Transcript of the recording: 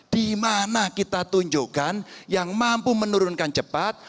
di mana kita tunjukkan yang mampu menurunkan cepat